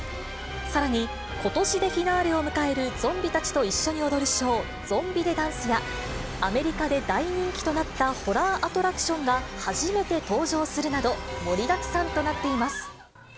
さらにことしでフィナーレを迎えるゾンビたちと一緒に踊るショー、ゾンビ・デ・ダンスやアメリカで大人気となった、ホラーアトラクションが初めて登場するなど、盛りだくさんとなっています。